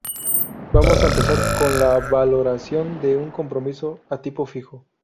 Vamos a empezar con la valoración de un compromiso a tipo fijo.